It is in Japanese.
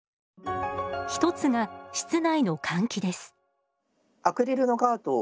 １つが室内の換気です。